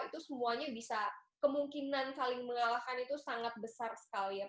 itu semuanya bisa kemungkinan saling mengalahkan itu sangat besar sekali ya